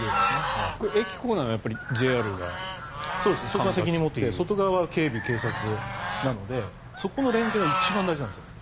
そこは責任を持って外側は警備、警察なのでそこの連携が一番大事なんですよ。